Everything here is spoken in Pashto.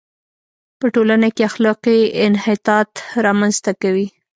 په ټولنه کې اخلاقي انحطاط را منځ ته کوي.